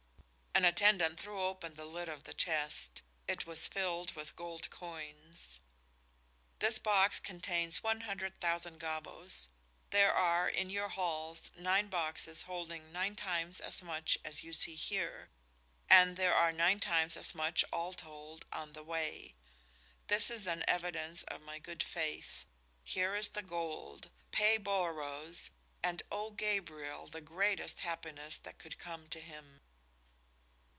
An attendant threw open the lid of the chest. It was filled with gold coins. "This box contains one hundred thousand gavvos. There are in your halls nine boxes holding nine times as much as you see here. And there are nine times as much all told on the way. This is an evidence of my good faith. Here is the gold. Pay Bolaroz and owe Gabriel, the greatest happiness that could come to him."